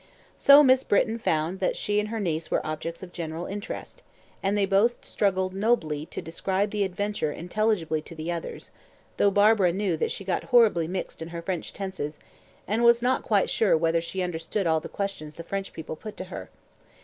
So Miss Britton found that she and her niece were objects of general interest, and they both struggled nobly to describe the adventure intelligibly to the others, though Barbara knew that she got horribly mixed in her French tenses, and was not quite sure whether she understood all the questions the French people put to her.